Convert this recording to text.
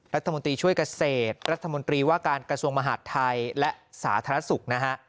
รัฐมนตรีช่วยเกษตรรัฐมนตรีว่าการกระทรวงมหาดไทยและสาธารณสุขนะฮะ